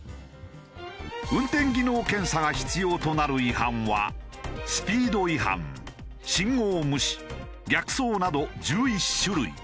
運転技能検査が必要となる違反はスピード違反信号無視逆走など１１種類。